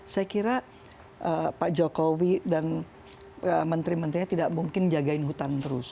saya kira pak jokowi dan menteri menterinya tidak mungkin jagain hutan terus